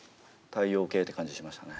太陽系って感じしましたね。